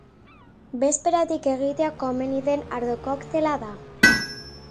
Bezperatik egitea komeni den ardo-koktela da.